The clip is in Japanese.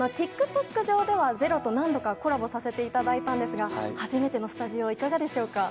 上では「ｚｅｒｏ」と何度かコラボさせていただいたんですが初めてのスタジオいかがでしょうか？